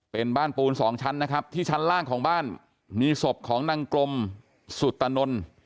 เป็นบ้านปูนสองชั้นนะครับที่ชั้นล่างของบ้านมีศพของนางกลมสุตนน